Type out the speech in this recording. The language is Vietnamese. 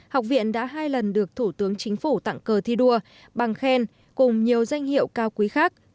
học viện đã hai lần được thủ tướng chính phủ tặng cờ thi đua bằng khen cùng nhiều danh hiệu cao quý khác